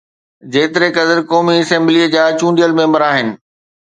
جيتري قدر قومي اسيمبليءَ جا چونڊيل ميمبر آهن.